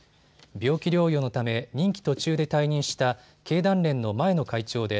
病気療養のため任期途中で退任した経団連の前の会長で